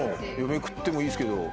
めくってもいいですけど。